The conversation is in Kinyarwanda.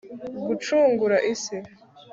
gucungura isi